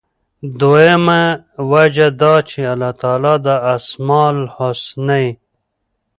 دویمه وجه دا چې الله تعالی د أسماء الحسنی،